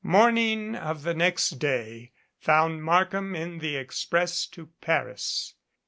Morning of the next day found Markham in the express to Paris.